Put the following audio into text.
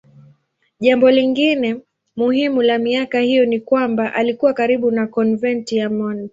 Jambo lingine muhimu la miaka hiyo ni kwamba alikuwa karibu na konventi ya Mt.